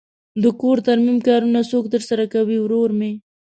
د کور ترمیم کارونه څوک ترسره کوی؟ ورور می